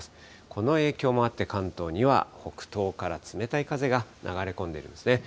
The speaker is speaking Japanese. この影響もあって、関東には北東から冷たい風が流れ込んでいるんですね。